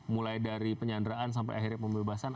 mulai dari penyanderaan sampai akhirnya pembebasan